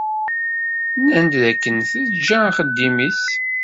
Nnan-d d akken teǧǧa axeddim-is.